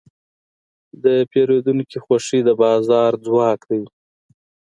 د پیرودونکي خوښي د بازار ځواک دی.